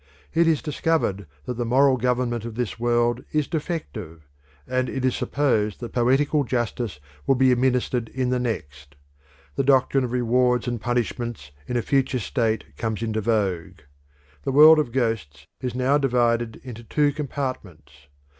It is discovered that the moral government of this world is defective, and it is supposed that poetical justice will be administered in the next. The doctrine of rewards and punishments in a future state comes into vogue. The world of ghosts is now divided into two compartments.